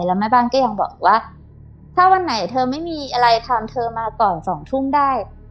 แล้วแม่บ้านก็ยังบอกว่าถ้าวันไหนเธอไม่มีอะไรทำเธอมาก่อน๒ทุ่มได้